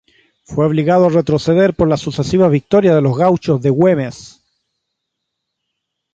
Fue obligado a retroceder por las sucesivas victorias de los gauchos de Güemes.